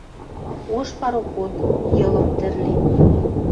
Ош пароход, Йылым тӹрлен